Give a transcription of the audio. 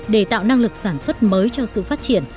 để tạo năng lực sản xuất mới cho sự phát triển